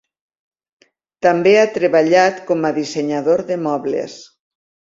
També ha treballat com a dissenyador de mobles.